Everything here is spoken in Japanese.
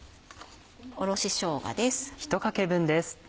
おろししょうがです。